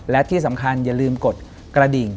และที่สำคัญอย่าลืมกดกระดิ่ง